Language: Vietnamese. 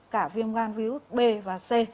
cả viêm gan virus b và c